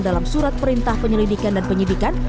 dalam surat perintah penyelidikan dan penyidikan